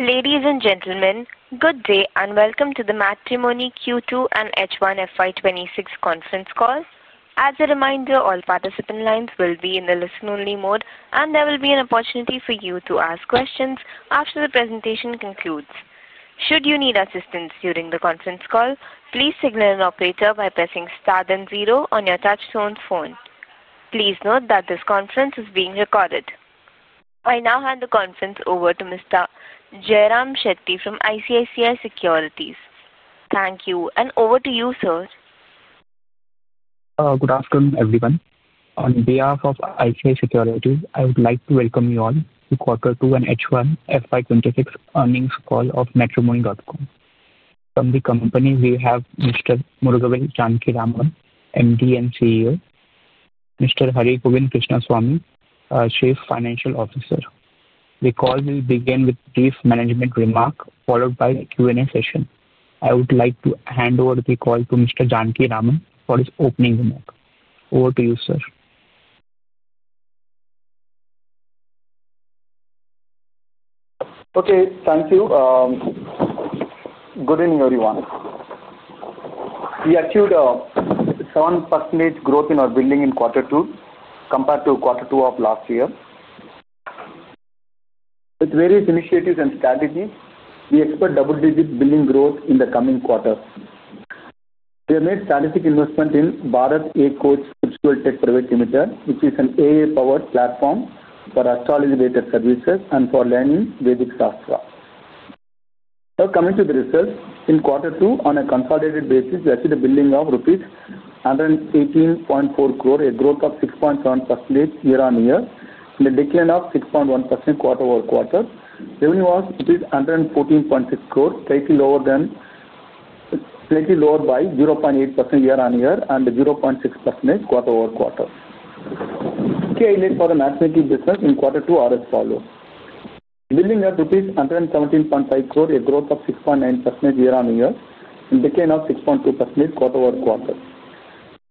Ladies and gentlemen, good day and welcome to the Matrimony Q2 and H1 FY 2026 conference call. As a reminder, all participant lines will be in the listen-only mode, and there will be an opportunity for you to ask questions after the presentation concludes. Should you need assistance during the conference call, please signal an operator by pressing star then zero on your touch-tone phone. Please note that this conference is being recorded. I now hand the conference over to Mr. Jayram Shetty from ICICI Securities. Thank you, and over to you, sir. Good afternoon, everyone. On behalf of ICICI Securities, I would like to welcome you all to quarter two and H1 FY 2026 earnings call of Matrimony. From the company, we have Mr. Murugavel Janakiraman, MD and CEO, Mr. Harigovind Krishnasamy, Chief Financial Officer. The call will begin with a brief management remark, followed by a Q&A session. I would like to hand over the call to Mr. Janakiraman for his opening remark. Over to you, sir. Okay, thank you. Good evening, everyone. We achieved a 7% growth in our billings in quarter two compared to quarter two of last year. With various initiatives and strategies, we expect double-digit billings growth in the coming quarter. We have made strategic investment in Bharat Astro Coach Virtual Tech Private Limited, which is an AI-powered platform for astrology-related services and for learning Vedic Shastra. Now, coming to the results, in quarter two, on a consolidated basis, we achieved billings of rupees 118.4 crore, a growth of 6.7% year-on-year, and a decline of 6.1% quarter-over-quarter. Revenue was 114.6 crore, slightly lower by 0.8% year-on-year and 0.6% quarter-over-quarter. Key highlights for the Matrimony business in quarter two are as follows: Billings at INR 117.5 crore, a growth of 6.9% year-on-year, and a decline of 6.2% quarter-over-quarter.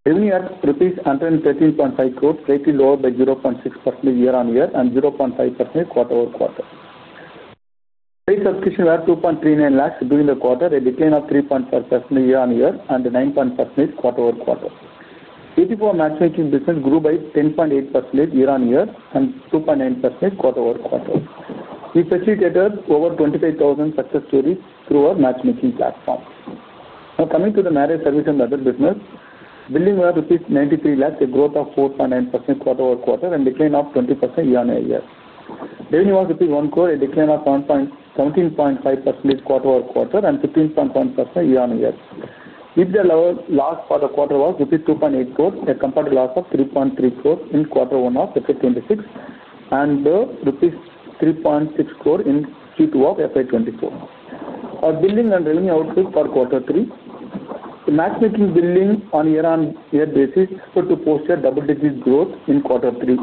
Revenue at rupees 113.5 crore, slightly lower by 0.6% year-on-year and 0.5% quarter-over-quarter. Pay subscription was 239,000 during the quarter, a decline of 3.5% year-on-year and 9.5% quarter-over-quarter. BharatMatrimony business grew by 10.8% year-on-year and 2.9% quarter-over-quarter. We facilitated over 25,000 success stories through our matrimony platform. Now, coming to the marriage service and other business, billings was rupees 9,300,000, a growth of 4.9% quarter-over-quarter and a decline of 20% year-on-year. Revenue was rupees 10,000,000, a decline of 17.5% quarter-over-quarter and 15.1% year-on-year. EBITDA for the last part of the quarter was rupees 28,000,000, a comparative loss of 33,000,000 in quarter one of fiscal year 2026 and INR 36,000,000 in Q2 of fiscal year 2024. Our billings and revenue outlook for quarter three: matrimony billings on a year-on-year basis is expected to posture double-digit growth in quarter three.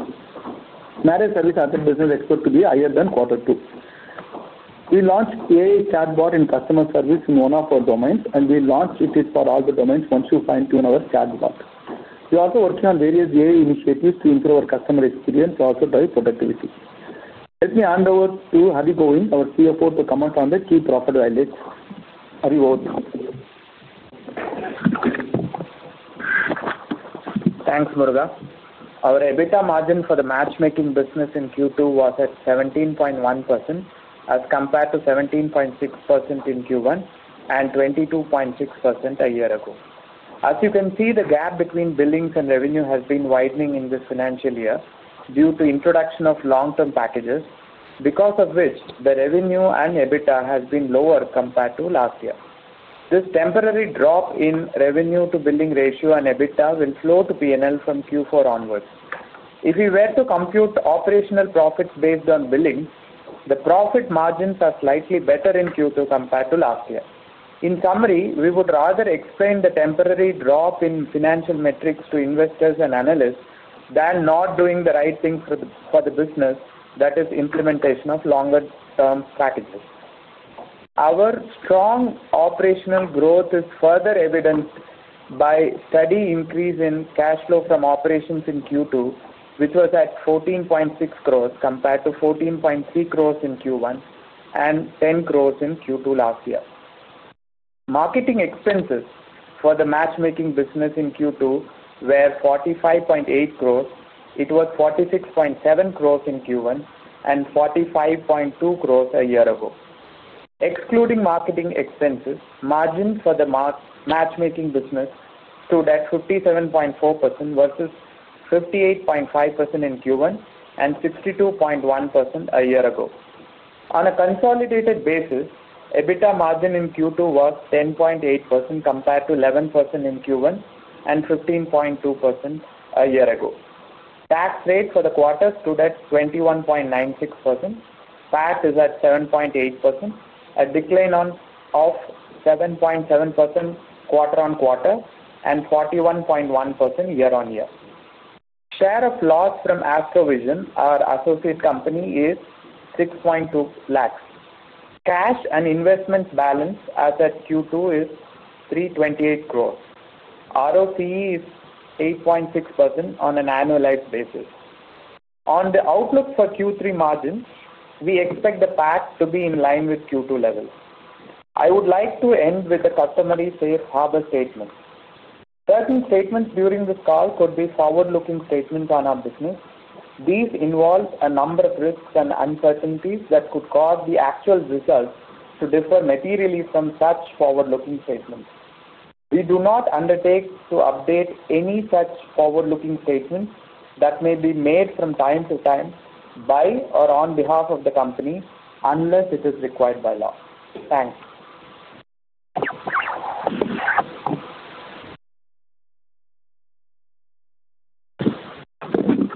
Marriage service and other business expected to be higher than quarter two. We launched AI Chatbot in customer service in one of our domains, and we launched it for all the domains once you find our Chatbot. We are also working on various AI initiatives to improve our customer experience, also drive productivity. Let me hand over to Harigovind, our CFO, to comment on the key profit highlights. Harigovind. Thanks, Murugavel. Our EBITDA margin for the matrimony business in Q2 was at 17.1% as compared to 17.6% in Q1 and 22.6% a year ago. As you can see, the gap between billings and revenue has been widening in this financial year due to the introduction of long-term packages, because of which the revenue and EBITDA have been lower compared to last year. This temporary drop in revenue-to-billing ratio and EBITDA will flow to P&L from Q4 onwards. If we were to compute operational profits based on billing, the profit margins are slightly better in Q2 compared to last year. In summary, we would rather explain the temporary drop in financial metrics to investors and analysts than not doing the right thing for the business, that is, implementation of longer-term packages. Our strong operational growth is further evidenced by a steady increase in cash flow from operations in Q2, which was at 14.6 crore compared to 14.3 crore in Q1 and 10 crore in Q2 last year. Marketing expenses for the Matrimony business in Q2 were 45.8 crore, it was 46.7 crore in Q1 and 45.2 crore a year ago. Excluding marketing expenses, margin for the Matrimony business stood at 57.4% versus 58.5% in Q1 and 62.1% a year ago. On a consolidated basis, EBITDA margin in Q2 was 10.8% compared to 11% in Q1 and 15.2% a year ago. Tax rate for the quarter stood at 21.96%. PAT is at 7.8%, a decline of 7.7% quarter-on-quarter and 41.1% year-on-year. Share of loss from Astrovision, our associate company, is 6.2 lakh. Cash and investment balance as at Q2 is 328 crore. ROCE is 8.6% on an annualized basis. On the outlook for Q3 margins, we expect the PAT to be in line with Q2 levels. I would like to end with a customary safe harbor statement. Certain statements during this call could be forward-looking statements on our business. These involve a number of risks and uncertainties that could cause the actual results to differ materially from such forward-looking statements. We do not undertake to update any such forward-looking statements that may be made from time to time by or on behalf of the company unless it is required by law. Thanks.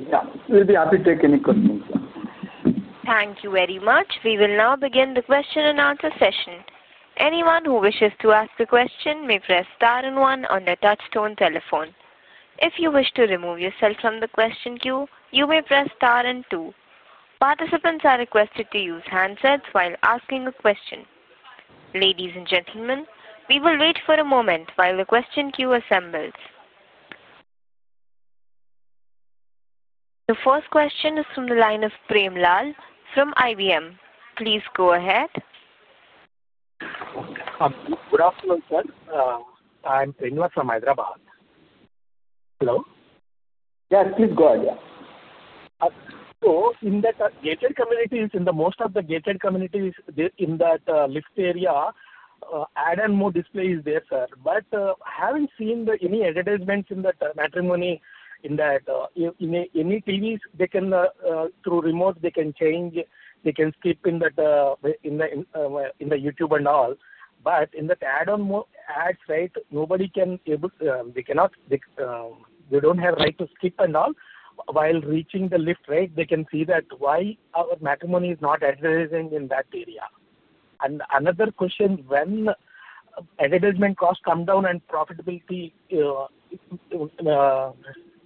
Yeah, we'll be happy to take any questions. Thank you very much. We will now begin the question-and-answer session. Anyone who wishes to ask a question may press star and one on the touch-tone telephone. If you wish to remove yourself from the question queue, you may press star and two. Participants are requested to use handsets while asking a question. Ladies and gentlemen, we will wait for a moment while the question queue assembles. The first question is from the line of Premlal from Hyderabad. Please go ahead. Good afternoon, sir. I'm Premlal from Hyderabad. Hello. Yes, please go ahead. In that gated communities, in most of the gated communities in that lift area, add-on mode display is there, sir. Having seen any advertisements in that matrimony, in that any TVs, they can through remote, they can change, they can skip in that in the YouTube and all. In that add-on mode ads, right, nobody can able, they cannot, they do not have right to skip and all. While reaching the lift, right, they can see that. Why our matrimony is not advertising in that area? Another question, when advertisement costs come down and profitability will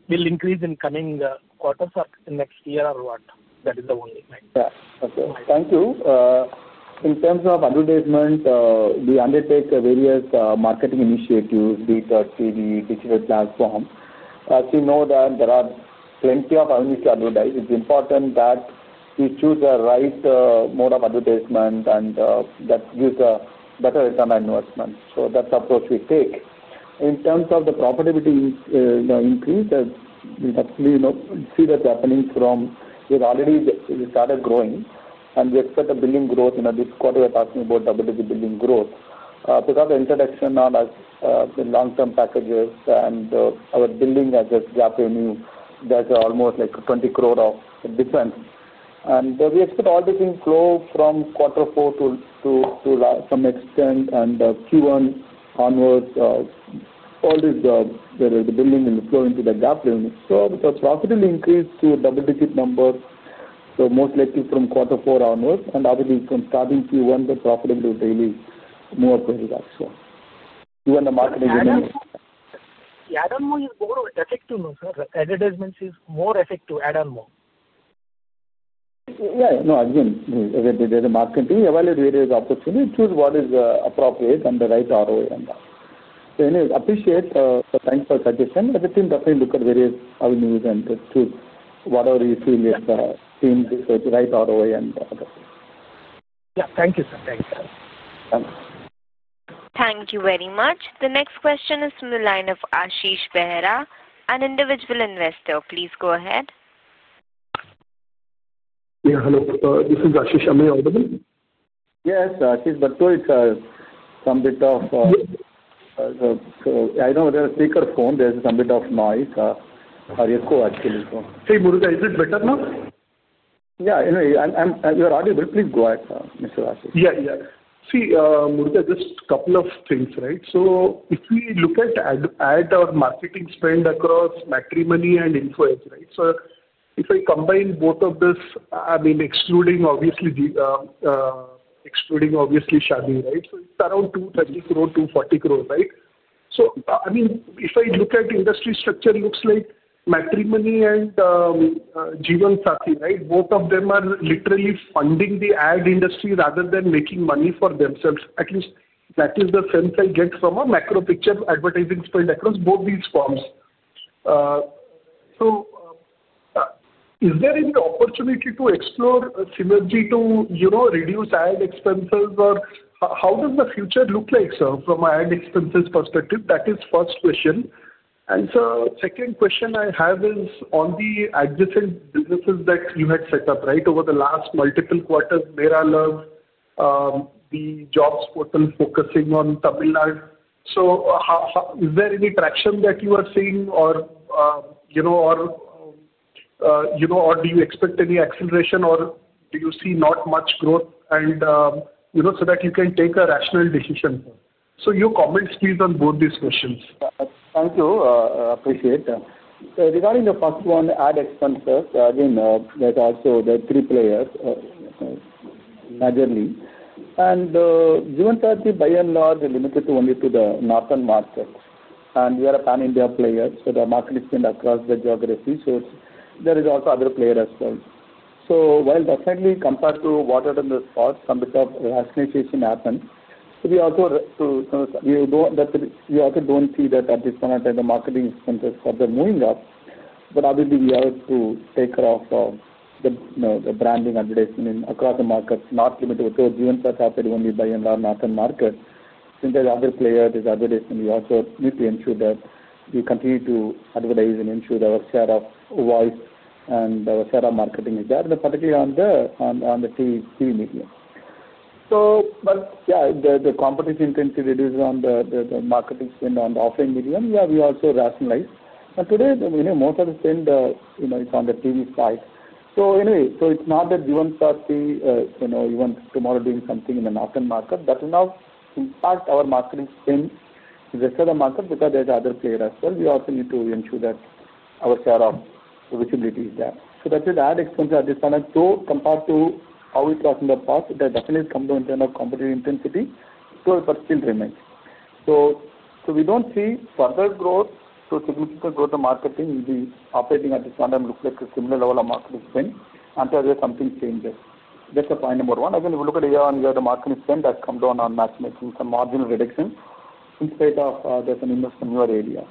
increase in coming quarters or next year or what? That is the only. Yeah. Okay. Thank you. In terms of advertisement, we undertake various marketing initiatives, be it TV, digital platform. As you know, there are plenty of avenues to advertise. It's important that we choose the right mode of advertisement and that gives a better return on investment. That's the approach we take. In terms of the profitability increase, we actually see that happening from we've already started growing, and we expect the billing growth in this quarter. We're talking about double-digit billing growth. Because of introduction of the long-term packages and our billing has a GAAP revenue that's almost like 200,000,000 of difference. We expect all the things flow from quarter four to some extent and Q1 onwards, all the billing will flow into the GAAP revenue. The profitability increased to double-digit numbers, so most likely from quarter four onwards, and obviously from starting Q1, the profitability will really move upwards, actually. Even the marketing revenue. Yeah, add-on mode is more effective now, sir. Advertisements is more effective add-on mode. Yeah, no, again, there's a marketing. Evaluate various opportunities, choose what is appropriate and the right ROI on that. Anyway, appreciate the thanks for the suggestion. Everything, definitely look at various avenues and choose whatever you feel is the right ROI and all that. Yeah, thank you, sir. Thank you. Thank you very much. The next question is from the line of Ashish Behra, an individual investor. Please go ahead. Yeah, hello. This is Ashish Behra. Yes, Ashish, though it's some bit of, so I know when I speak on the phone, there's some bit of noise. I recall, actually, so. Hey, Murugavel, is it better now? Yeah, anyway, you're audible. Please go ahead, sir, Mr. Ashish. Yeah, yeah. See, Murugavel, just a couple of things, right? If we look at add-on marketing spend across Matrimony and Info Edge, right? If I combine both of this, I mean, obviously excluding Shaadi.com, right? It is around 230 crore-240 crore, right? I mean, if I look at industry structure, it looks like Matrimony and Jeevansathi, right? Both of them are literally funding the ad industry rather than making money for themselves. At least that is the sense I get from a macro picture advertising spend across both these firms. Is there any opportunity to explore synergy to reduce ad expenses or how does the future look like, sir, from an ad expenses perspective? That is the first question. The second question I have is on the adjacent businesses that you had set up, right? Over the last multiple quarters, MeraLuv, the jobs portal focusing on Tamil Nadu. Is there any traction that you are seeing or do you expect any acceleration or do you see not much growth so that you can take a rational decision? Your comments, please, on both these questions. Thank you. Appreciate. Regarding the first one, ad expenses, again, there's also the three players majorly. Jeevansathi by and large is limited only to the northern market. We are a pan-India player, so the market is spent across the geography. There are also other players as well. While definitely compared to what it was in the past, some bit of rationalization happened. We also do not see that at this point in time the marketing expenses for them are moving up. Obviously, we have to take care of the branding advertising across the market, not limited to Jeevansathi only by and large northern market. Since there are other players, there is advertising, we also need to ensure that we continue to advertise and ensure our share of voice and our share of marketing is there, particularly on the TV media. Yeah, the competition tends to reduce on the marketing spend on the offline medium. Yeah, we also rationalize. Today, most of the spend is on the TV side. Anyway, it's not that Jeevansathi even tomorrow doing something in the northern market will now impact our marketing spend in the southern market because there are other players as well. We also need to ensure that our share of visibility is there. That is ad expenses at this point. Compared to how we talked in the past, there definitely comes in terms of competitive intensity. It still remains. We do not see further growth, so significant growth in marketing. The operating at this point looks like a similar level of marketing spend until something changes. That's the point number one. Again, if we look at AI and the marketing spend, that's come down on Matrimony and some marginal reduction in spite of there's an investor in your area.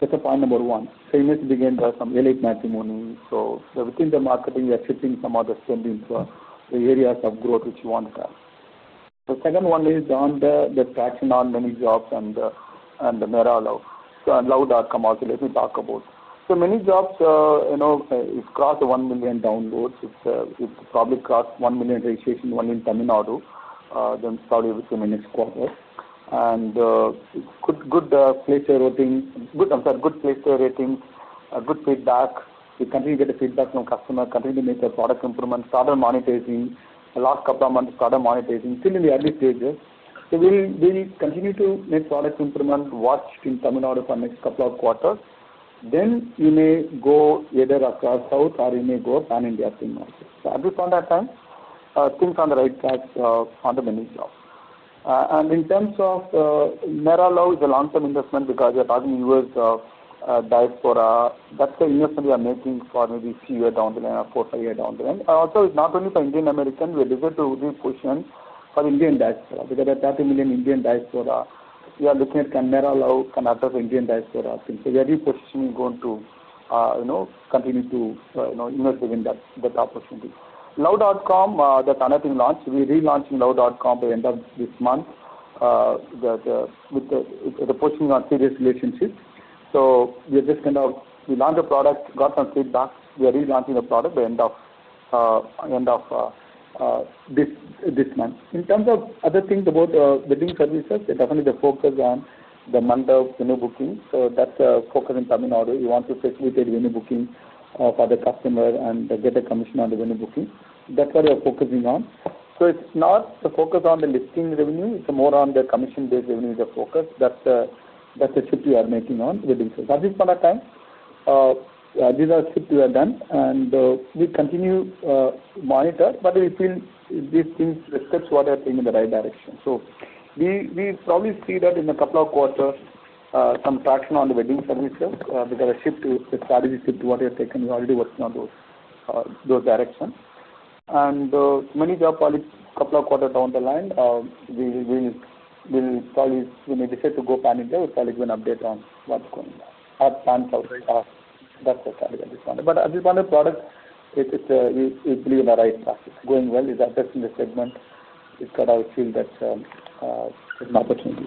That's the point number one. You need to begin some late matrimony. Within the marketing, we are shifting some of the spend into the areas of growth which you want to have. The second one is on the traction on Many Jobs and the MeraLuv. I'll allow that to come out. Let me talk about, so Many Jobs, it's crossed 1 million downloads. It's probably crossed 1 million registrations only in Tamil Nadu then probably within the next quarter. Good plays to everything. Good, I'm sorry, good plays to everything. Good feedback. We continue to get the feedback from customers. Continue to make the product improvements. Started monetizing the last couple of months. Started monetizing. Still in the early stages. So we'll continue to make product improvement, watch in Tamil Nadu for the next couple of quarters. Then we may go either across south or we may go pan-India market. So at this point in time, things are on the right track for the ManyJobs. And in terms of MeraLuv, it's a long-term investment because we are talking U.S. diaspora. That's the investment we are making for maybe a few years down the line or four, five years down the line. And also, it's not only for Indian-American. We are looking to reposition for the Indian diaspora. Because at that time, Indian diaspora, we are looking at MeraLuv, Canada for Indian diaspora. So we are repositioning going to continue to invest within that opportunity. Loud.com, that's another thing launched. We are relaunching Loud.com by the end of this month with the push on serious relationships. So we are just kind of we launched a product, got some feedback. We are relaunching the product by the end of this month. In terms of other things about wedding services, definitely the focus on the model of venue booking. So that's a focus in Tamil Nadu. We want to facilitate venue booking for the customer and get a commission on the venue booking. That's what we are focusing on. So it's not the focus on the listing revenue. It's more on the commission-based revenue is the focus. That's the shift we are making on wedding services. At this point in time, these are the shifts we have done. And we continue to monitor. But we feel these things reflect what we are doing in the right direction. So we probably see that in a couple of quarters, some traction on the wedding services. We got a strategy shift to what we have taken. We are already working on those directions. And Many Jobs probably a couple of quarters down the line, we will probably decide to go pan-India. We'll probably give an update on what's going on. That's the strategy at this point. But at this point, the product, it's really in the right track. It's going well. It's addressing the segment. It's got a feel that's an opportunity.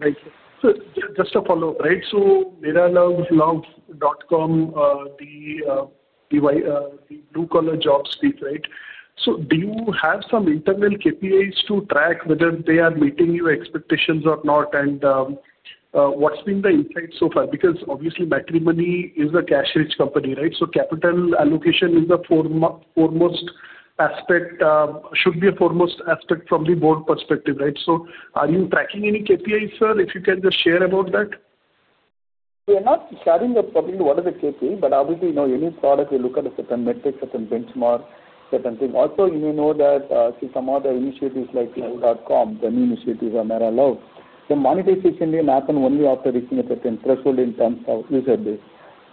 Right. So just to follow up, right? So MeraLuv, Loud.com, the blue-collar jobs piece, right? So do you have some internal KPIs to track whether they are meeting your expectations or not? And what's been the insights so far? Because obviously, matrimony is a cash-rich company, right? So capital allocation is the foremost aspect, should be a foremost aspect from the board perspective, right? So are you tracking any KPIs, sir, if you can just share about that? We are not sharing probably what is the KPI, but obviously, any product, we look at a certain metric, certain benchmark, certain thing. Also, you may know that some other initiatives like Loud.com, the new initiatives on MeraLuv, the monetization may happen only after reaching a certain threshold in terms of user base.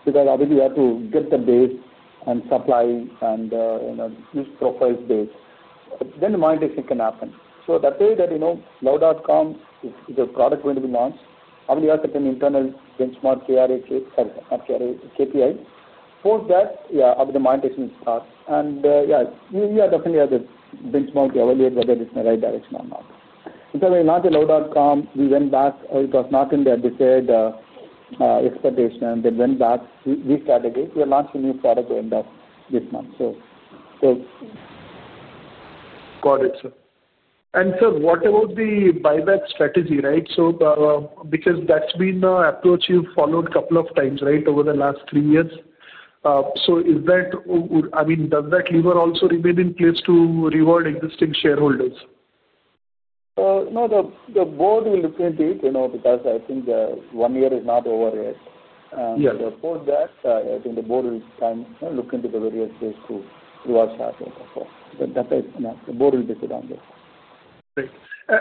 Because obviously, you have to get the base and supply and use profiles base. Then the monetization can happen. That way, that Loud.com, if the product is going to be launched, obviously, you have certain internal benchmark KPI. Post that, yeah, obviously, the monetization will start. Yeah, you definitely have the benchmark to evaluate whether it's in the right direction or not. When we launched Loud.com, we went back. It was not in the advertised expectation. They went back. We started it. We are launching a new product by the end of this month, so. Got it, sir. And sir, what about the buyback strategy, right? So because that's been an approach you've followed a couple of times, right, over the last three years. So is that, I mean, does that lever also remain in place to reward existing shareholders? No, the board will look into it because I think one year is not over yet. And post that, I think the board will look into the various ways to reward shareholders. But that is, yeah, the board will decide on that. Great.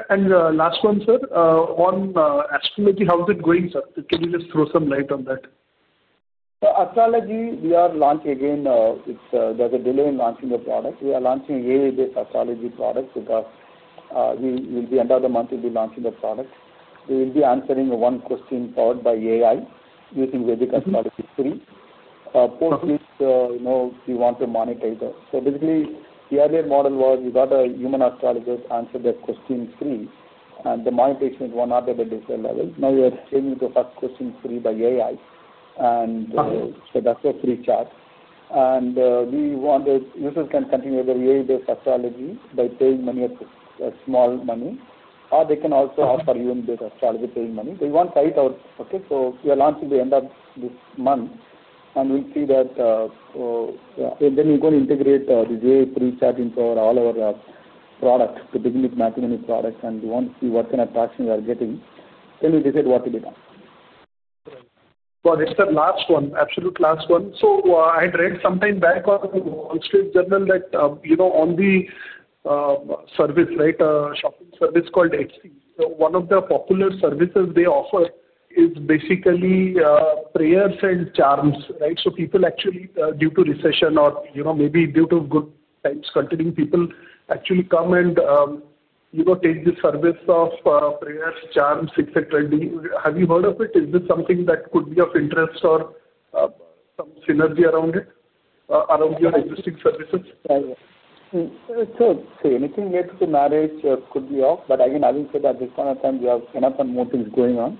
And last one, sir, on astrology, how's it going, sir? Can you just throw some light on that? Astrology, we are launching again. There's a delay in launching the product. We are launching an AI-based astrology product because we will be end of the month, we'll be launching the product. We will be answering one question powered by AI using Vedic Astrology 3. Post this, we want to monetize it. So basically, the earlier model was we got a human astrologist to answer the question 3, and the monetization was not at a different level. Now we are changing to ask question 3 by AI. And so that's a free chat. And we wanted users can continue with their AI-based astrology by paying money at a small money, or they can also offer human-based astrology paying money. So we want to try it out, okay? So we are launching by the end of this month, and we'll see that. So then we're going to integrate the AI free chat into all our product, the beginning matrimony product, and we want to see what kind of traction we are getting. Then we decide what to do next. It's the last one, absolute last one. I read sometime back on Wall Street Journal that on the service, right, shopping service called Etsy, one of the popular services they offer is basically prayers and charms, right? People actually, due to recession or maybe due to good times continuing, people actually come and take the service of prayers, charms, etc. Have you heard of it? Is this something that could be of interest or some synergy around it, around your existing services? So anything related to marriage could be off. But again, I will say that at this point in time, we have enough and more things going on.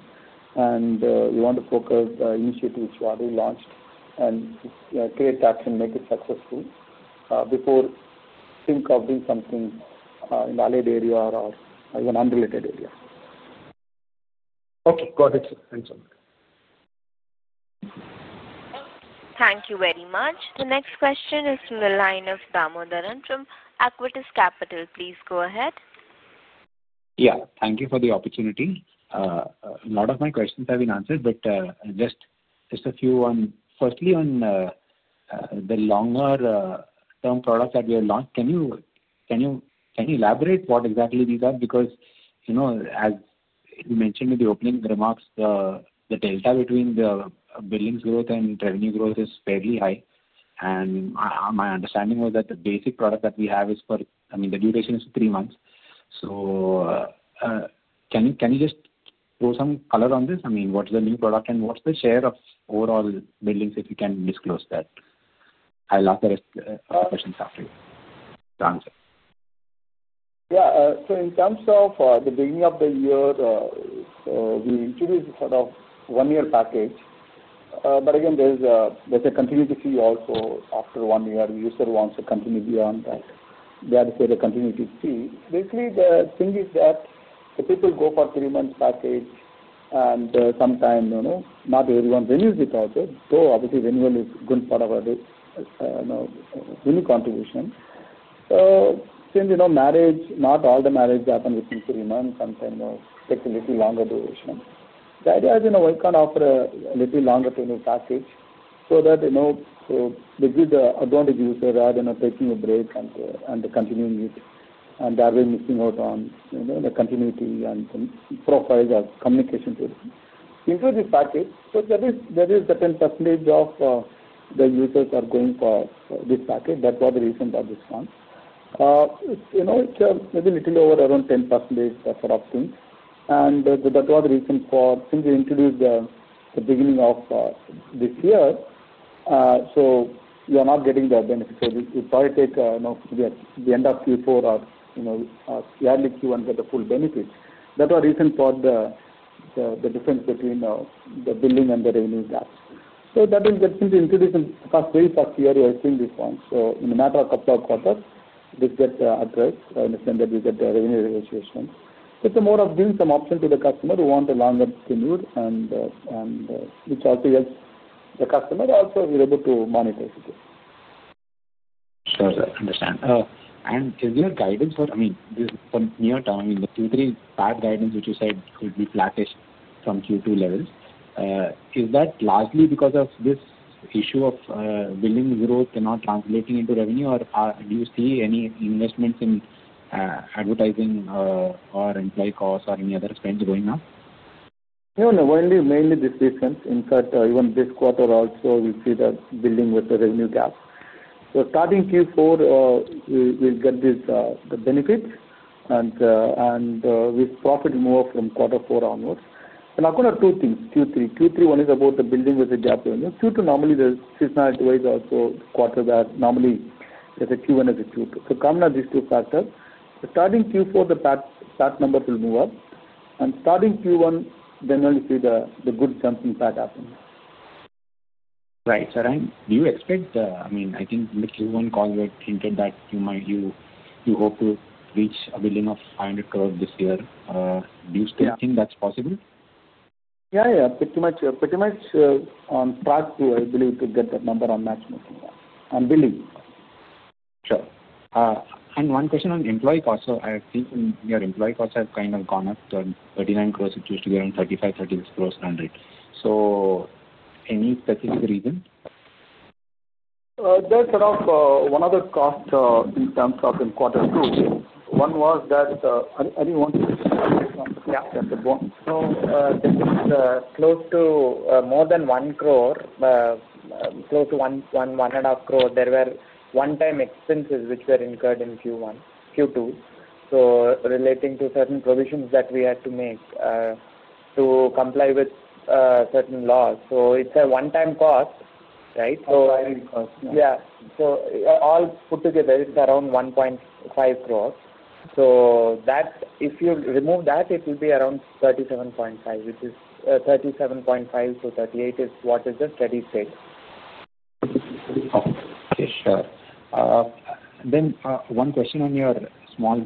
And we want to focus on initiatives which we already launched and create traction, make it successful before think of doing something in the valid area or even unrelated area. Okay. Got it. Thanks, sir. Thank you very much. The next question is from the line of Damodaran. From Aquitus Capital, please go ahead. Yeah. Thank you for the opportunity. A lot of my questions have been answered, but just a few on firstly on the longer-term products that we have launched. Can you elaborate what exactly these are? Because as you mentioned in the opening remarks, the delta between the billings growth and revenue growth is fairly high. And my understanding was that the basic product that we have is for, I mean, the duration is three months. So can you just throw some color on this? I mean, what's the new product and what's the share of overall buildings if you can disclose that? I'll ask the rest of the questions after you answer. Yeah. So in terms of the beginning of the year, we introduced sort of a one-year package. But again, there's a continuity fee also after one year. The user wants to continue beyond that. They have to pay the continuity fee. Basically, the thing is that the people go for a three-month package, and sometimes not everyone renews it also. So obviously, renewal is a good part of our renew contribution. Since marriage, not all the marriages happen within three months. Sometimes it takes a little longer duration. The idea is we can offer a little longer-term package so that they give the advantage user rather than taking a break and continuing it. And that way, missing out on the continuity and the profiles of communication too. Into this package, so there is a certain percentage of the users are going for this package. That was the reason for this one. It's maybe a little over around 10% sort of thing. And that was the reason for since we introduced the beginning of this year, so you are not getting the benefits. So you probably take the end of Q4 or early Q1 get the full benefits. That was the reason for the difference between the billing and the revenue gaps. So that means that since we introduced the first wave of Q1, we are seeing this one. So in a matter of a couple of quarters, this gets addressed in the sense that we get the revenue recognition. So it's more of giving some options to the customer who want a longer tenure, and which also helps the customer also be able to monetize it. Sure. I understand. And is there guidance for, I mean, for near-term, I mean, the Q3 past guidance which you said could be flattish from Q2 levels, is that largely because of this issue of billing growth and not translating into revenue? Or do you see any investments in advertising or employee costs or any other spends going on? No, no. Mainly this difference. In fact, even this quarter also, we see the billing with the revenue gap. So starting Q4, we'll get the benefits, and we'll profit more from quarter four onwards. And I'll cover two things, Q3. Q3, one is about the billing with the gap revenue. Q2, normally, the seasonality way is also quarter that normally there's a Q1 and a Q2. So combined with these two factors, starting Q4, the PAT number will move up. And starting Q1, then we'll see the good jumping PAT happen. Right. So do you expect, I mean, I think in the Q1 call, you had hinted that you hope to reach a billing of 500 crores this year. Do you still think that's possible? Yeah. Yeah. Pretty much on track to, I believe, to get that number on matchmaking and billing. Sure. And one question on employee costs. So I have seen your employee costs have kind of gone up to 39 crores. It used to be around 35, 36 crores per hundred. So any specific reason? There's sort of one other cost in terms of in quarter two. One was that I didn't want to capture the bonus. So there was close to more than one crore, close to one and a half crore. There were one-time expenses which were incurred in Q1, Q2, so relating to certain provisions that we had to make to comply with certain laws. So it's a one-time cost, right? One-time cost, yeah. Yeah. So all put together, it's around 1.5 crores. So if you remove that, it will be around 37.5, which is 37.5 to 38 is what is the steady state. Okay. Sure. Then one question on your small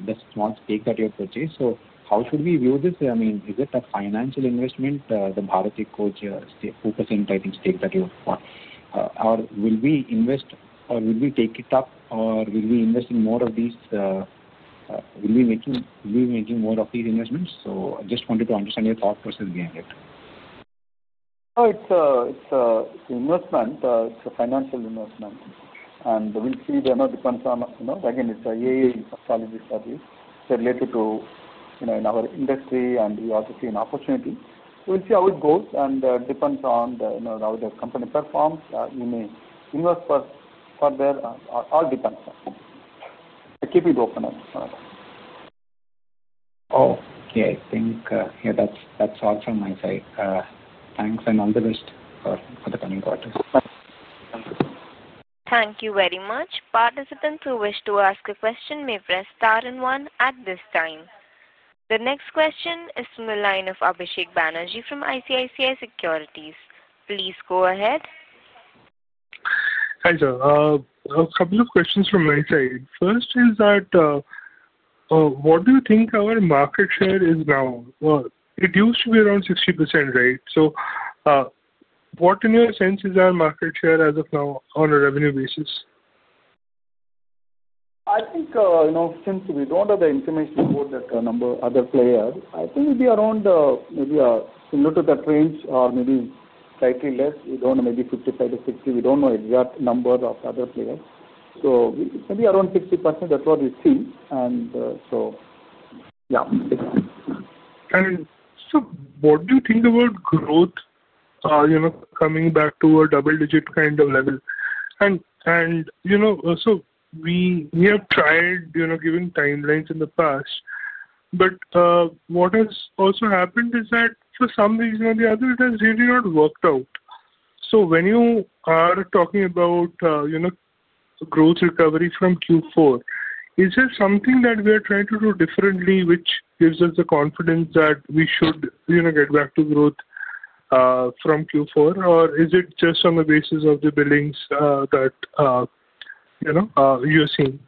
stake that you have purchased. So how should we view this? I mean, is it a financial investment, the Bharati Coach 2%, I think, stake that you bought? Or will we invest, or will we take it up, or will we invest in more of these? Will we be making more of these investments? So I just wanted to understand your thought process behind it. No, it's an investment. It's a financial investment. And we'll see the amount depends on, again, it's an AI astrology study. It's related to our industry, and we also see an opportunity. We'll see how it goes and depends on how the company performs. We may invest further. All depends on. I'll keep you open on that. Okay. Thank you. Yeah, that's all from my side. Thanks, and all the best for the coming quarters. Thank you. Thank you very much. Participants who wish to ask a question may press star and one at this time. The next question is from the line of Abhisek Banerjee from ICICI Securities. Please go ahead. Hi, sir. A couple of questions from my side. First is that what do you think our market share is now? Well, it used to be around 60%, right? So what, in your sense, is our market share as of now on a revenue basis? I think since we don't have the information about that number, other players, I think it would be around maybe similar to that range or maybe slightly less. We don't know, maybe 55%-60%. We don't know exact number of other players. So maybe around 60%, that's what we see. And so yeah. And so what do you think about growth coming back to a double-digit kind of level? And so we have tried giving timelines in the past, but what has also happened is that for some reason or the other, it has really not worked out. So when you are talking about growth recovery from Q4, is there something that we are trying to do differently which gives us the confidence that we should get back to growth from Q4? Or is it just on the basis of the billings that you're seeing?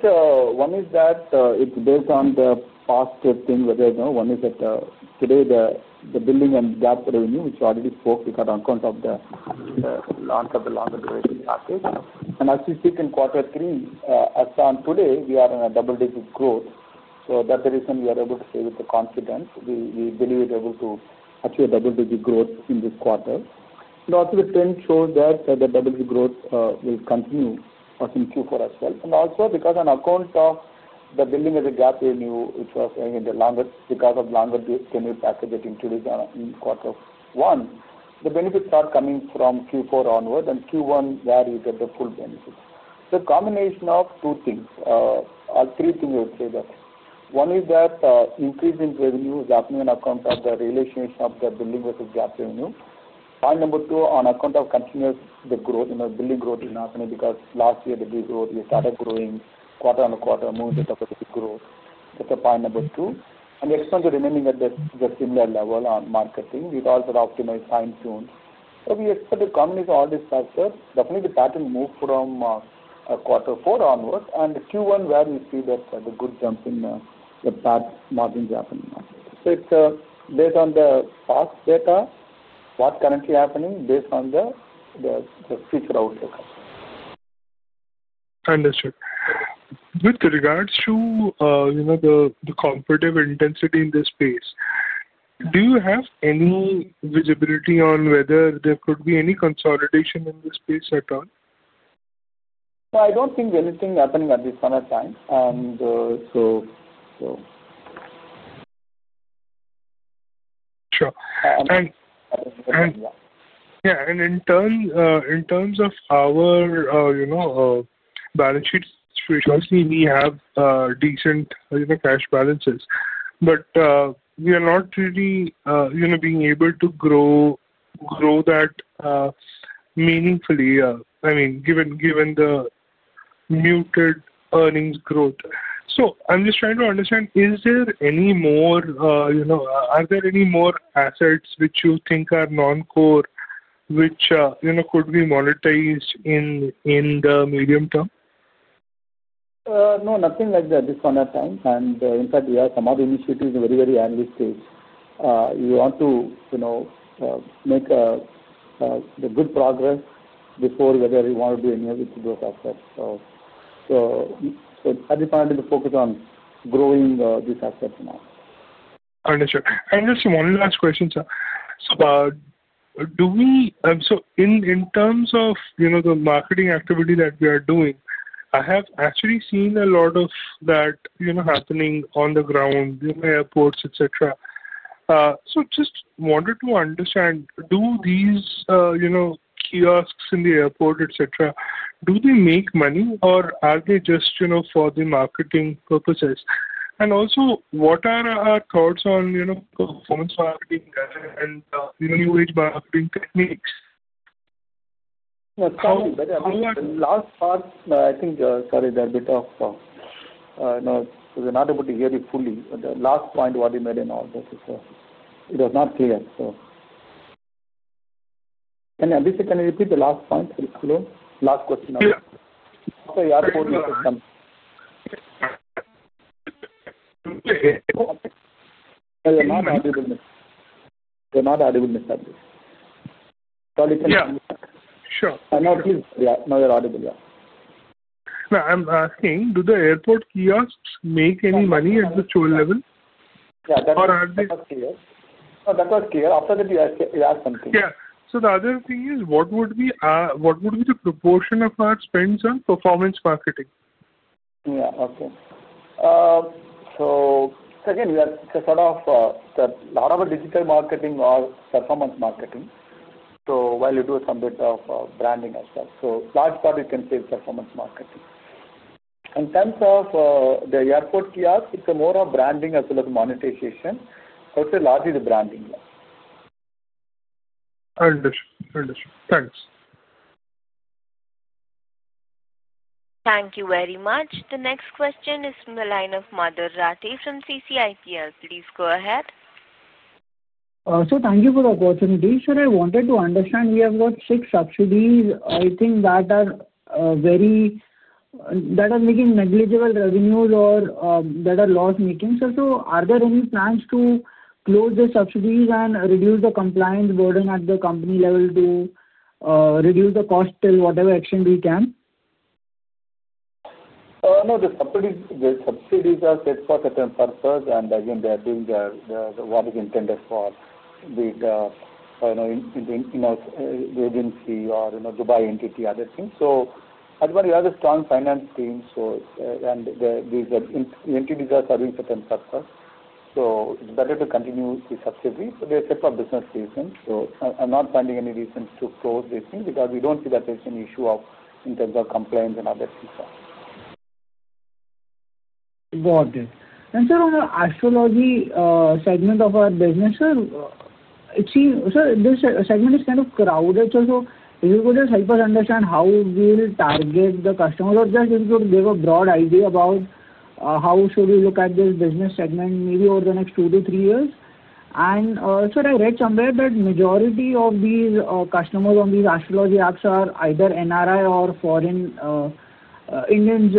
So one is that it's based on the past thing where there's no one is that today, the billing and gap revenue, which already spoke, we got on count of the launch of the longer-duration package. And as we see in quarter three, as of today, we are in a double-digit growth. So that's the reason we are able to say with the confidence. We believe we're able to achieve a double-digit growth in this quarter. And also the trend shows that the double-digit growth will continue in Q4 as well. And also because on account of the billing and the gap revenue, which was in the longer because of longer-duration package that included in quarter one, the benefits are coming from Q4 onward, and Q1, there you get the full benefits. So combination of two things. Three things I would say that. One is that increase in revenue is happening on account of the relationship of the billing with the gap revenue. Point number two, on account of continuous growth, building growth is happening because last year, the growth, we started growing quarter on quarter, moving to double-digit growth. That's the point number two. And we expect the remaining at the similar level on marketing. We also optimize fine-tune. So we expect the companies to all these factors. Definitely, the pattern moved from quarter four onward. And Q1, where we see that the good jump in the PAT margins happening. So it's based on the past data, what's currently happening based on the future outlook. Understood. With regards to the corporative intensity in this space, do you have any visibility on whether there could be any consolidation in this space at all? So I don't think anything happening at this point of time. And so. So. Sure. And. Yeah. Yeah. And in terms of our balance sheets, we have decent cash balances. But we are not really being able to grow that meaningfully, I mean, given the muted earnings growth. So I'm just trying to understand, is there any more are there any more assets which you think are non-core which could be monetized in the medium term? No, nothing like that at this point of time. And in fact, we have some other initiatives in the very, very early stage. We want to make good progress before whether we want to be able to do those assets. So at this point, we focus on growing these assets now. Understood. And just one last question, sir. So in terms of the marketing activity that we are doing, I have actually seen a lot of that happening on the ground, in the airports, etc. So just wanted to understand, do these kiosks in the airport, etc., do they make money, or are they just for the marketing purposes? And also, what are our thoughts on performance marketing and new age marketing techniques? Yeah. Sorry, but I mean, the last part, I think, sorry, there's a bit of we were not able to hear you fully. The last point, what you made in all this, it was not clear, so. Can you repeat the last point? Hello? Last question. Yeah. Airport systems. They're not audible. They're not audible in this sense. Sorry, can you? Yeah. Sure. No, please. Yeah. No, you're audible, yeah. No, I'm asking, do the airport kiosks make any money at the store level? Yeah. That was clear. No, that was clear. After that, you asked something. Yeah. So the other thing is, what would be the proportion of our spends on performance marketing? Yeah. Okay. So again, we have sort of a lot of digital marketing or performance marketing. So while you do some bit of branding as well. So large part, we can say performance marketing. In terms of the airport kiosks, it's more of branding as well as monetization. I would say largely the branding level. Understood. Understood. Thanks. Thank you very much. The next question is from the line of Madhur Rati from CCIPL. Please go ahead. So thank you for the question. Actually, I wanted to understand. We have got six subsidies. I think that are very that are making negligible revenues or that are loss-making. So are there any plans to close the subsidies and reduce the compliance burden at the company level to reduce the cost till whatever extent we can? No, the subsidies are set for a certain purpose. And again, they are doing what is intended for the agency or Dubai entity, other things. So as well, we have a strong finance team. And these entities are serving a certain purpose. So it's better to continue the subsidies. So there's a set of business reasons. So I'm not finding any reason to close these things because we don't see that there's any issue in terms of complaints and other things. Got it. Sir, on the astrology segment of our business, sir, this segment is kind of crowded. So if you could just help us understand how we will target the customers, or just if you could give a broad idea about how should we look at this business segment maybe over the next two to three years. Sir, I read somewhere that the majority of these customers on these astrology apps are either NRI or foreign Indians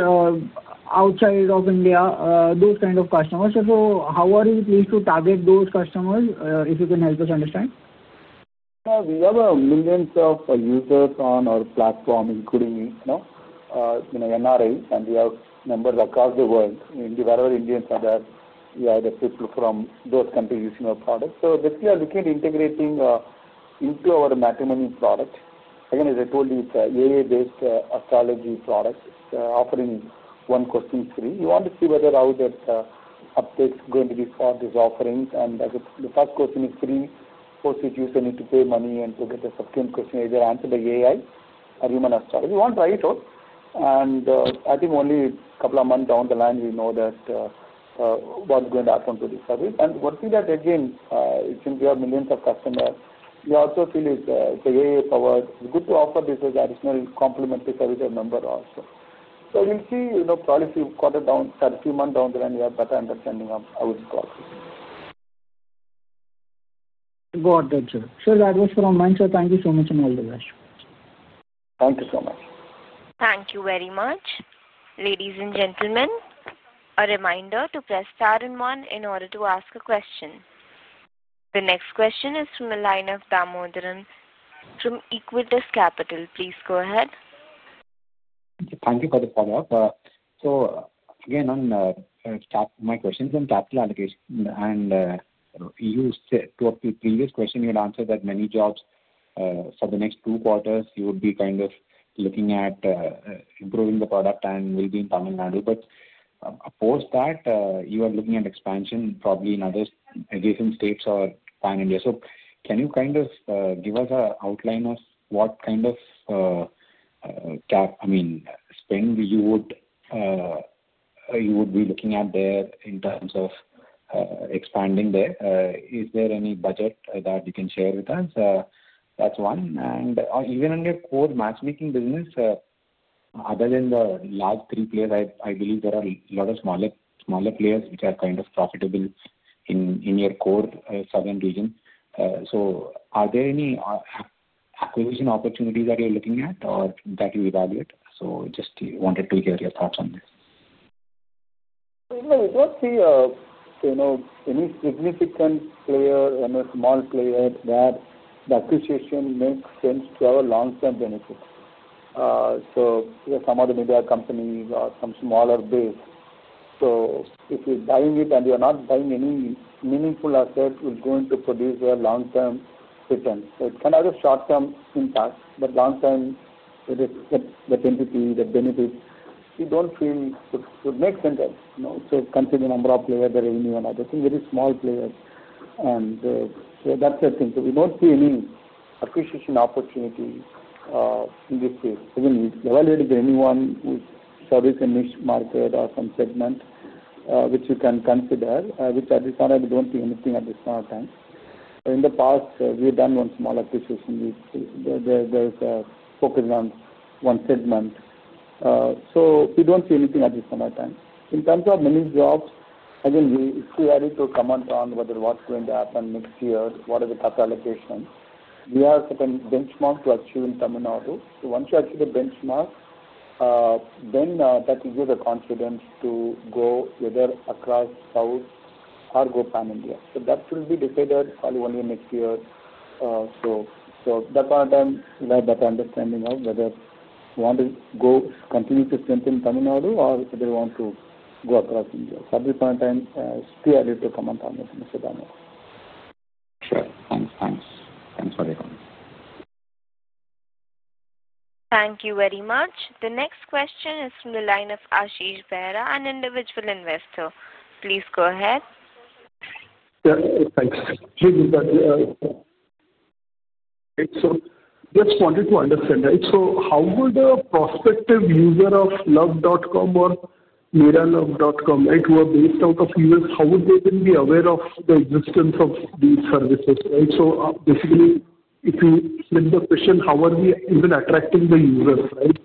outside of India, those kind of customers. So how are you pleased to target those customers if you can help us understand? We have millions of users on our platform, including NRI. And we have members across the world. Wherever Indians are there, we are able to look from those countries using our products. So basically, we are looking at integrating into our matrimonial product. Again, as I told you, it's an AA-based astrology product. It's offering one question, three. We want to see whether how that update is going to be for these offerings. And the first question is three, four, six years you need to pay money. And we'll get the subsequent question, either answer the AI or human astrology. We want to try it out. And I think only a couple of months down the line, we know what's going to happen to the service. And we'll see that again. Since we have millions of customers, we also feel it's AA-powered. It's good to offer this as an additional complementary service to a member also. So we'll see. Probably if we cut it down, a few months down the line, we have better understanding of how it's going. Got it, sir. Sir, that was from mine, sir. Thank you so much and all the best. Thank you so much. Thank you very much. Ladies and gentlemen, a reminder to press star and one in order to ask a question. The next question is from the line of Damodaran. From Equitus Capital, please go ahead. Thank you for the follow-up. So again, my question is on capital allocation. And to the previous question, you had answered that many jobs for the next two quarters, you would be kind of looking at improving the product and will be in Tamil Nadu. But post that, you are looking at expansion probably in other Asian states or pan-India. So can you kind of give us an outline of what kind of, I mean, spend you would be looking at there in terms of expanding there? Is there any budget that you can share with us? That's one. And even in your core matchmaking business, other than the large three players, I believe there are a lot of smaller players which are kind of profitable in your core southern region. So are there any acquisition opportunities that you're looking at or that you evaluate? So just wanted to hear your thoughts on this. Well, we don't see any significant player and a small player that the acquisition makes sense to our long-term benefit. So some of the media companies or some smaller base. So if you're buying it and you're not buying any meaningful asset, we're going to produce a long-term return. So it can have a short-term impact, but long-term, the entity, the benefits, we don't feel it would make sense. So consider the number of players, the revenue, and other things. Very small players. And so that's the thing. So we don't see any acquisition opportunity in this space. Again, we've evaluated anyone who's servicing a niche market or some segment which you can consider, which at this point, we don't see anything at this point of time. In the past, we had done one small acquisition. There was a focus on one segment. So we don't see anything at this point of time. In terms of many jobs, again, if we add it to a comment on whether what's going to happen next year, what is the capital allocation, we have a certain benchmark to achieve in Tamil Nadu. So once you achieve the benchmark, then that will give us the confidence to go either across south or go pan-India. So that will be decided probably only next year. So that point of time, we have that understanding of whether we want to continue to strengthen Tamil Nadu or whether we want to go across India. So at this point of time, stay added to a comment on this. Mr. Damodaran. Sure. Thanks. Thanks. Thanks for the comment. Thank you very much. The next question is from the line of Ashish Bhaira, an individual investor. Please go ahead. Yeah. Thanks. Right. So just wanted to understand. So how would a prospective user of love.com or miralove.com, right, who are based out of the US, how would they then be aware of the existence of these services? Right? So basically, if you flip the question, how are we even attracting the users, right,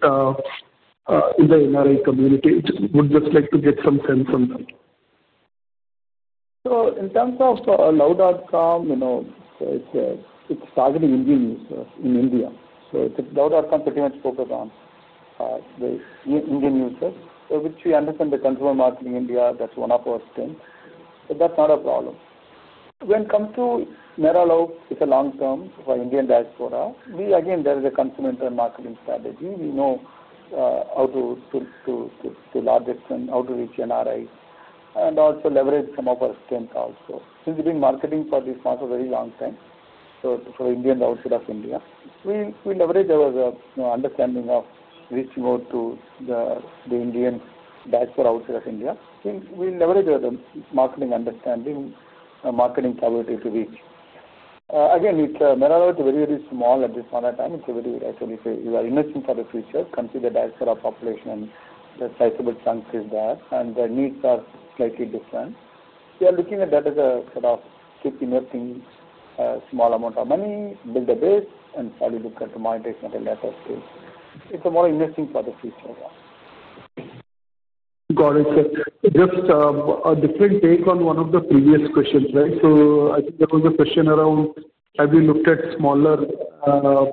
in the NRI community? We'd just like to get some sense on that. So in terms of love.com, it's targeting Indian users in India. So love.com pretty much focused on the Indian users, which we understand the consumer marketing in India, that's one of our strengths. But that's not a problem. When it comes to Miralove, it's a long-term for Indian diaspora. Again, there is a consumer-centered marketing strategy. We know how to do large extent, how to reach NRI, and also leverage some of our strengths also. Since we've been marketing for this market a very long time, so for Indians outside of India, we leverage our understanding of reaching out to the Indian diaspora outside of India. We leverage the marketing understanding, marketing capability to reach. Again, Miralove is very, very small at this point of time. It's a very, actually, if you are innovating for the future, consider the diaspora population and the sizable chunks is there, and the needs are slightly different. We are looking at that as a sort of keep innovating, small amount of money, build a base, and probably look at the monetization at a later stage. It's more interesting for the future. Got it. Just a different take on one of the previous questions, right? So I think there was a question around, have you looked at smaller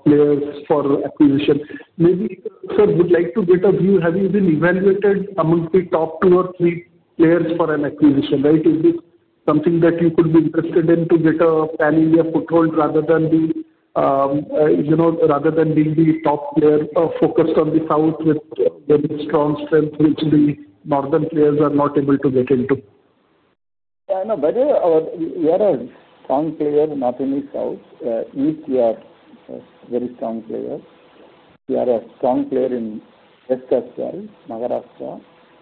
players for acquisition? Maybe, sir, we'd like to get a view. Have you been evaluated amongst the top two or three players for an acquisition, right? Is this something that you could be interested in to get a pan-India foothold rather than being the top player focused on the south with strong strength, which the northern players are not able to get into? Yeah. No, we are a strong player not only south. East, we are a very strong player. We are a strong player in West as well, Maharashtra.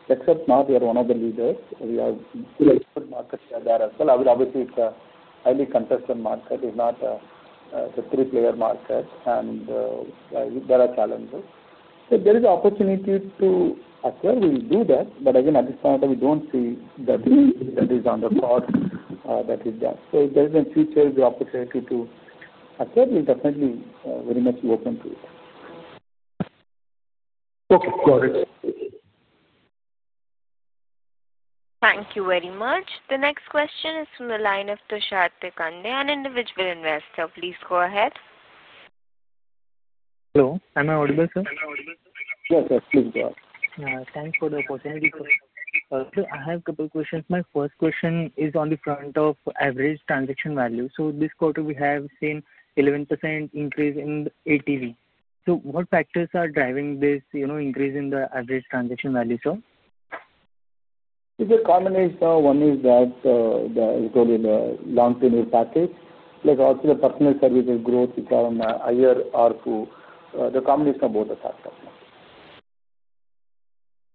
Except north, we are one of the leaders. We have good market share there as well. Obviously, it's a highly contested market. It's not a three-player market. And there are challenges. So there is an opportunity to acquire. We'll do that. But again, at this point, we don't see that it is on the course that is there. So if there is a future, the opportunity to acquire, we'll definitely very much be open to it. Okay. Got it. Thank you very much. The next question is from the line of Tushartikaande, an individual investor. Please go ahead. Hello. Am I audible, sir? Yes, sir. Please go ahead. Thanks for the opportunity. So I have a couple of questions. My first question is on the front of average transaction value. So this quarter, we have seen 11% increase in ATV. So what factors are driving this increase in the average transaction value, sir? The combination, one is that we call it a long-tenure package. Also, the personal services growth is on a higher R2. The combination of both affects us.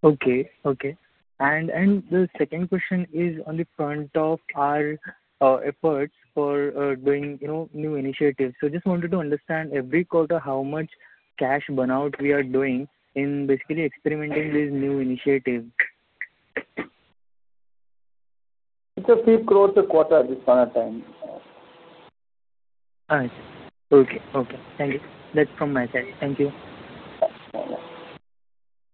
Okay. Okay. And the second question is on the front of our efforts for doing new initiatives. So just wanted to understand every quarter how much cash burn-out we are doing in basically experimenting with new initiatives. It's a few crores a quarter at this point of time. All right. Okay. Okay. Thank you. That's from my side. Thank you.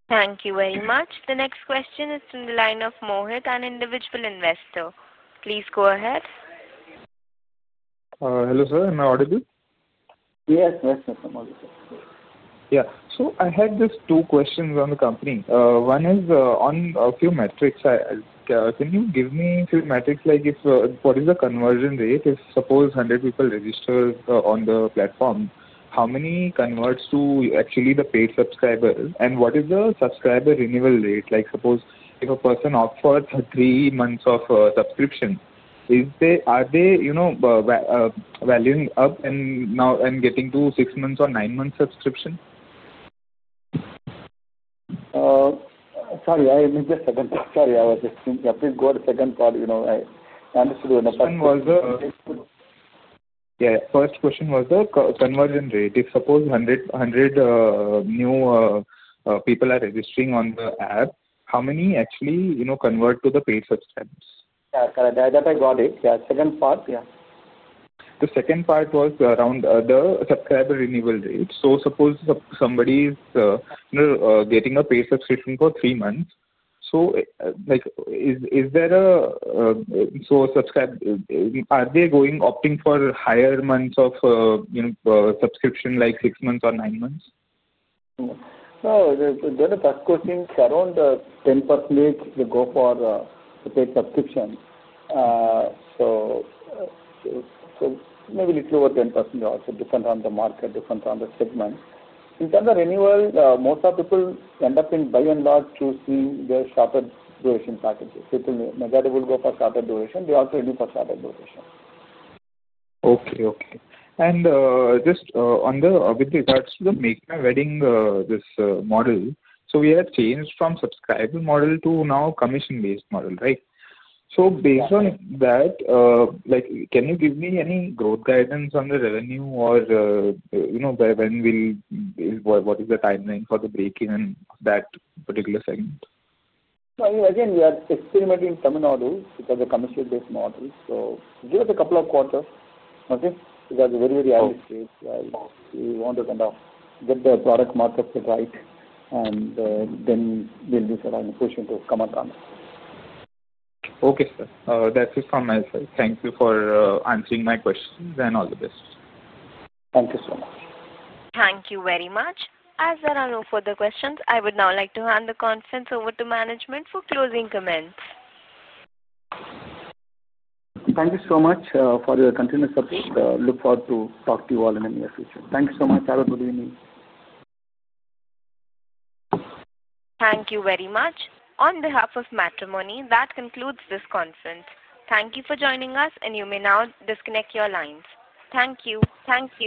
Thank you very much. The next question is from the line of Mohit, an individual investor. Please go ahead. Hello, sir. Am I audible? Yes. Yes, sir. I'm audible. Yeah. So I had just two questions on the company. One is on a few metrics. Can you give me a few metrics? What is the conversion rate? If, suppose, 100 people register on the platform, how many converts to actually the paid subscribers? And what is the subscriber renewal rate? Suppose if a person opts for three months of subscription, are they valuing up and getting to six months or nine months subscription? Sorry. I missed the second part. Sorry. I was just thinking. Please go to the second part. I understood you in the first question. Yeah. First question was the conversion rate. If, suppose, 100 new people are registering on the app, how many actually convert to the paid subscriptions? Yeah. That I got it. Yeah. Second part, yeah. The second part was around the subscriber renewal rate. So suppose somebody is getting a paid subscription for three months. So is there a—so are they opting for higher months of subscription, like six months or nine months? Well, there is a third question around the 10% age they go for the paid subscription. So maybe a little over 10% also, depending on the market, depending on the segment. In terms of renewal, most of the people end up in by and large choosing the shorter duration packages. People, many of them, will go for shorter duration. They also renew for shorter duration. Okay. Okay. And just with regards to the make my wedding this model, so we have changed from subscriber model to now commission-based model, right? So based on that, can you give me any growth guidance on the revenue or when will—what is the timeline for the break-in in that particular segment? So again, we are experimenting Tamil Nadu because of the commercial-based model. So give us a couple of quarters, okay? Because it's a very, very early stage where we want to kind of get the product market right. And then we'll do some push into comment on it. Okay, sir. That's it from my side. Thank you for answering my questions and all the best. Thank you so much. Thank you very much. As there are no further questions, I would now like to hand the conference over to management for closing comments. Thank you so much for your continuous support. Look forward to talking to you all in the near future. Thank you so much. Have a good evening. Thank you very much. On behalf of Matrimony, that concludes this conference. Thank you for joining us, and you may now disconnect your lines. Thank you. Thank you.